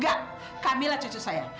tidak kamila cucu saya